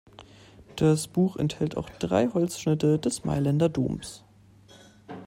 Das Buch enthält auch drei Holzschnitte des Mailänder Doms.